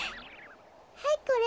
はいこれ。